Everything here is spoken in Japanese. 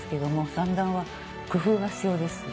三段は工夫が必要です。